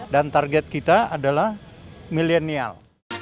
dan target kita adalah milenial